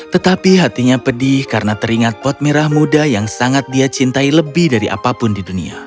tetapi hatinya pedih karena teringat pot merah muda yang sangat dia cintai lebih dari apapun di dunia